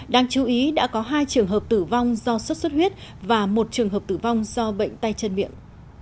đáng chú ý đã có hai trường hợp tử vong do xuất xuất huyết và một trường hợp tử vong do bệnh tay chân miệng